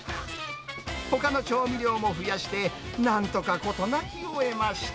ほかの調味料も増やして、なんとか事なきを得ました。